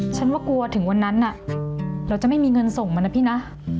ฉันว่ากลัวถึงวันนั้นเราจะไม่มีเงินส่งมันนะพี่นะ